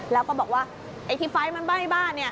แล้วก็บอกว่าไอ้ที่ไฟล์มันบ้านให้บ้าน